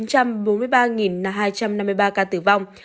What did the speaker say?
trong đó có bốn mươi ba hai trăm năm mươi ba ca tử vong